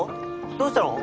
どうしたの？